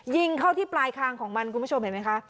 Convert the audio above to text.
ยิงเข้าที่ปลายคางของมันคุณผู้ชมเห็นไหมคะ